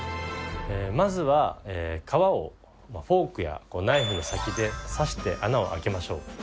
まずは皮をフォークやナイフの先で刺して穴を開けましょう。